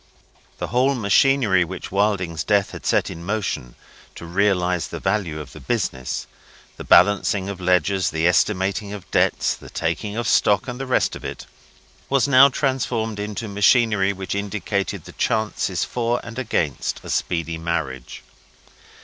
The whole machinery which Wilding's death had set in motion, to realise the value of the business the balancing of ledgers, the estimating of debts, the taking of stock, and the rest of it was now transformed into machinery which indicated the chances for and against a speedy marriage.